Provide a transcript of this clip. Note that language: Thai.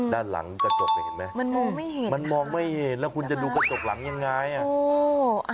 ด้านหลังกระจกได้เห็นมั้ยมันมองไม่เห็นแล้วคุณจะดุกระจกหลักอย่างไรอะ